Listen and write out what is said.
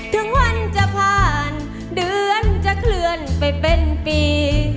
ถึงวันจะผ่านเดือนจะเคลื่อนไปเป็นปี